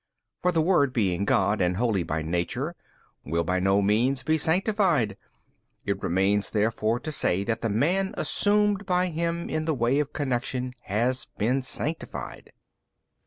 For the Word being God and Holy by Nature will by no means be sanctified; it remains therefore to say that the man assumed by Him in the way of connection has been sanctified.